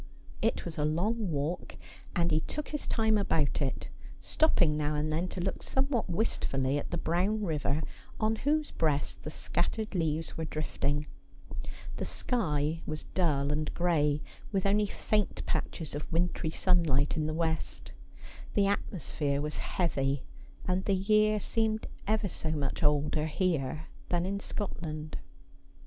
It was a long walk and he took his time about it, stopping now and then to look somewhat wistfully at the brown river, on whose breast the scattered leaves were drifting. The sky was dull and gray, with only faint patches of wintry sunlight in the west ; the atmosphere was heavy ; and the year seemed ever so much older here than in Scotland.